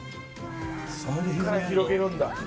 そこで広げるんだ。